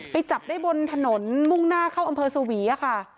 จับได้บนถนนมุ่งหน้าเข้าอำเภอสวีค่ะ